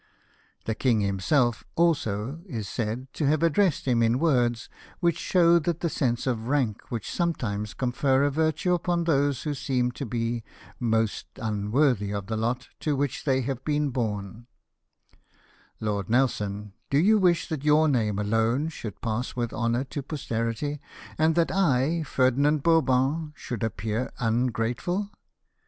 The king himself also is said to have addressed him in words, which show that the sense of rank will some times confer a virtue upon those who seem to be most NELSON ACCEPTS DUKEDOM OF BRONTE. 197 unworthy of the lot to which they have been born :— "Lord Nelson, do you wish that your name alone should pass with honour to posterity; and that I, Ferdinand Bourbon, should appear ungrateful